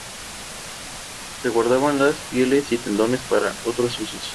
Se guardaban las pieles y tendones para otros usos.